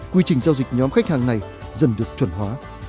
quy trình giao dịch nhóm khách hàng này dần được chuẩn hóa